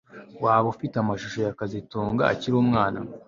Waba ufite amashusho ya kazitunga akiri umwana